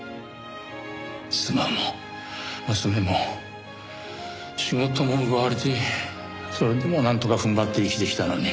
妻も娘も仕事も奪われてそれでもなんとか踏ん張って生きてきたのに。